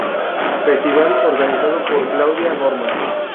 Festival" organizado por Claudia Norman.